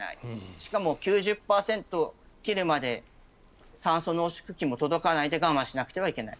しかも９０％切るまで酸素濃縮器も届かないで我慢しなくてはいけない。